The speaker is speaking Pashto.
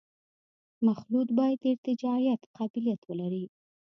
مخلوط باید د ارتجاعیت قابلیت ولري